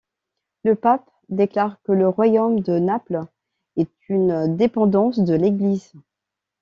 Le pape déclare que le royaume de Naples est une dépendance de l'Église.